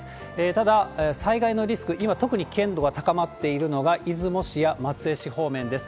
ただ、災害のリスク、今特に危険度が高まっているのが、出雲市や松江市方面です。